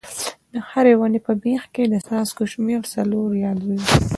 د هرې ونې په بیخ کې د څاڅکو شمېر څلور یا دوه وي.